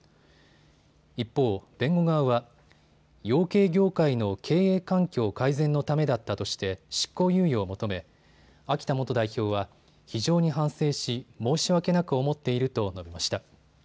一方、弁護側は養鶏業界の経営環境改善のためだったとして執行猶予を求め、秋田元代表は非常に反省し申し訳なく思っていると述べました。